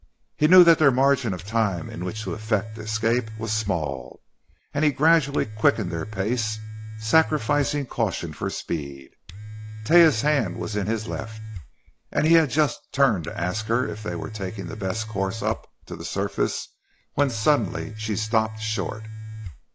He knew that their margin of time in which to effect escape was small, and he gradually quickened their pace, sacrificing caution for speed. Taia's hand was in his left; and he had just turned to her to ask if they were taking the best course up to the surface, when suddenly she stopped short.